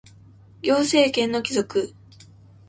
行政権の帰属